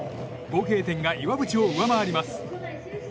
合計点が岩渕を上回ります。